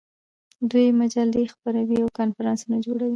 دوی مجلې خپروي او کنفرانسونه جوړوي.